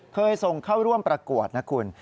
เคยส่งเข้าร่วมประกวดนะคุณ